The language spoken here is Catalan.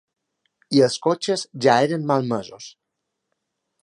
I els cotxes ja eren malmesos.